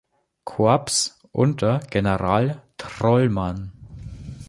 Korps unter General Trollmann.